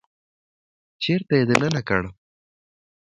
چپرکټ يې دننه کړ.